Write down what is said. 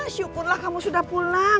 syukurlah kamu sudah pulang